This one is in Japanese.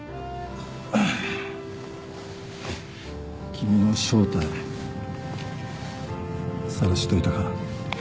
君の正体さらしといたから。